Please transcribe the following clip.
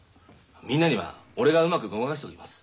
みんなには俺がうまくごまかしておきます。